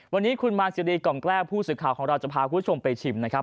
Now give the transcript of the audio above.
วันนี้คุณมาร์ซีรีส์กล่องแกล้วผู้ศึกข่าวของเราจะพาผู้ชมไปชิมนะครับ